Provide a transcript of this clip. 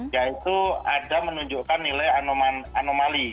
yaitu ada menunjukkan nilai anomali